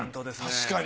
確かに。